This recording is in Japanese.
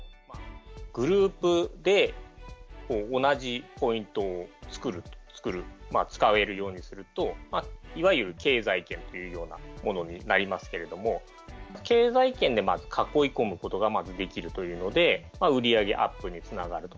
グループで同じポイントを作る、使えるようにすると、いわゆる経済圏というようなものになりますけれども、経済圏で囲い込むことがまずできるというので、売り上げアップにつながると。